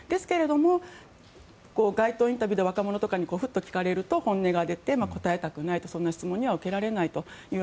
ですけれど、街頭インタビューで若者とかにふっと聞かれると本音が出て答えたくないそんな質問は受けられないと。